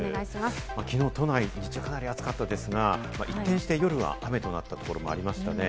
きのうの都内、日中かなり暑かったんですが、一転、夜は雨となったところがありましたね。